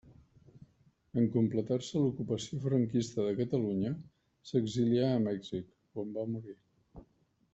En completar-se l'ocupació franquista de Catalunya s'exilià a Mèxic, on va morir.